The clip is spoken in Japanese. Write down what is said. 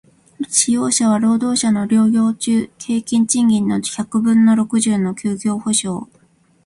使用者は、労働者の療養中平均賃金の百分の六十の休業補償